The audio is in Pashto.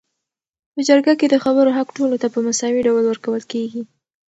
په جرګه کي د خبرو حق ټولو ته په مساوي ډول ورکول کيږي